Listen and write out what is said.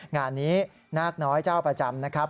งานนี้นาคน้อยเจ้าประจำนะครับ